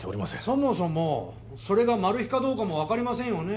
そもそもそれがマル被かどうかも分かりませんよね？